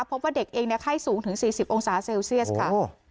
พบว่าเด็กเองไข้สูงถึง๔๐องศาเซลเซียสค่ะ